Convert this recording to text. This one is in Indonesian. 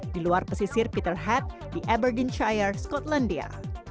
di luar pesisir peterhead di aberdeenshire skotlandia